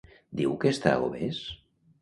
Diu que està obès?